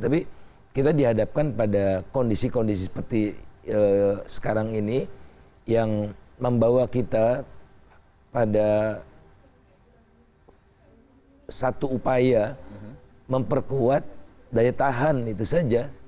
tapi kita dihadapkan pada kondisi kondisi seperti sekarang ini yang membawa kita pada satu upaya memperkuat daya tahan itu saja